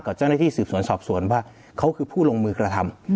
เจ้าหน้าที่สืบสวนสอบสวนว่าเขาคือผู้ลงมือกระทำ